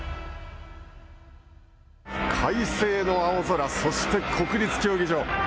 快晴の青空、そして国立競技場。